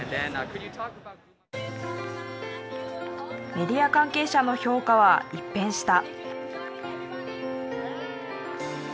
メディア関係者の評価は一変した。